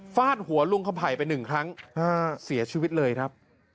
ฟาดหัวลุงขภัยไปหนึ่งครั้งเสียชีวิตเลยครับ